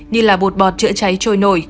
như là bột bọt chữa cháy trôi nổi